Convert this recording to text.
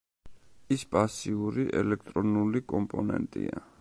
ის პასიური ელექტრონული კომპონენტია.